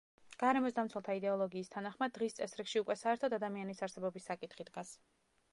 გარემოს დამცველთა იდეოლოგიის თანახმად დღის წესრიგში უკვე საერთოდ ადამიანის არსებობის საკითხი დგას.